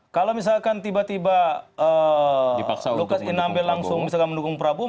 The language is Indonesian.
kalau misalkan tiba tiba lukas inambe langsung mendukung prabowo